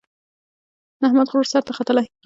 د احمد غرور سر ته ختلی.